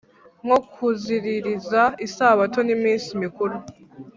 nko kuziririza isabato n iminsi mikuru